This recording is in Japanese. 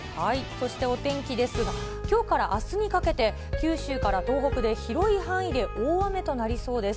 そしてお天気ですが、きょうからあすにかけて、九州から東北で広い範囲で大雨となりそうです。